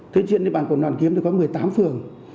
tuyên truyền địa bàn quận hoàn kiếm có một mươi tám phường